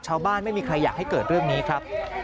ไม่มีใครอยากให้เกิดเรื่องนี้ครับ